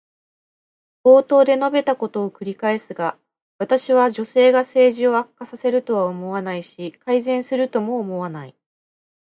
冒頭で述べたことを繰り返すが、私は女性が政治を悪化させるとは思わないし、改善するとも思わない。